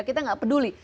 kita nggak peduli